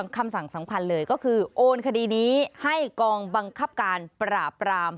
คำสั่งสำคัญเลยก็คือโอนคดีนี้ให้กองบังคับการปราบราม